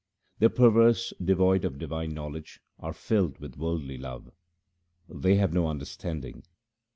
The perverse devoid of divine knowledge are filled with worldly love ; they have no understanding.